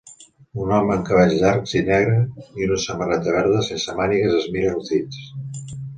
Un home amb cabells llargs i negre i una samarreta verda sense mànigues es mira els dits.